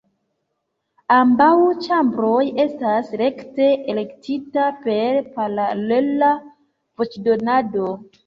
Ambaŭ ĉambroj estas rekte elektita per paralela voĉdonado.